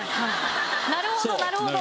なるほどなるほど。